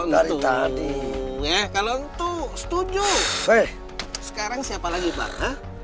kalau itu setuju sekarang siapa lagi bang